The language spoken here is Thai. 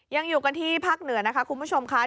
ยังอยู่กันที่ภาคเหนือนะคะคุณผู้ชมค่ะ